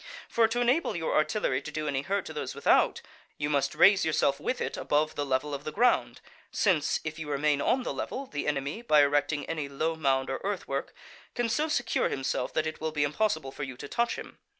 For to enable your artillery to do any hurt to those without, you must raise yourself with it above the level of the ground, since, if you remain on the level, the enemy, by erecting any low mound or earth work, can so secure himself that it will be impossible for you to touch him.